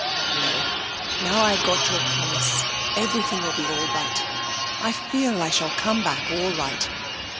'No, now I've got your promise everything will be all right.... I feel I shall come back all right....